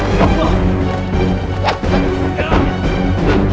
dia sangat kuat